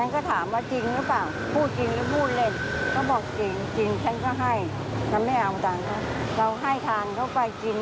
ขอบคุณคุณยายครับ